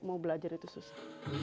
mau belajar itu susah